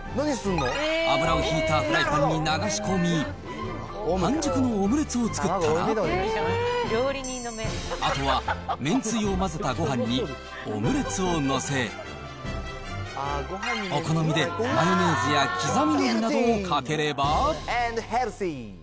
油をひいたフライパンに流し込み、半熟のオムレツを作ったら、あとはめんつゆを混ぜたごはんにオムレツを載せ、お好みでマヨネーズや刻みのりなどをかければ。